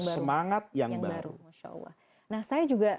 semangat yang baru